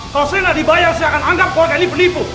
kalau saya nggak dibayar saya akan anggap kota ini penipu